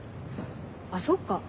あっそっか。